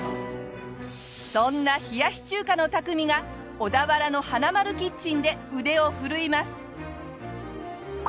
そんな冷やし中華の匠が小田原のはなまるキッチンで腕を振るいます。